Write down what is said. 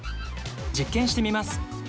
実験してみます。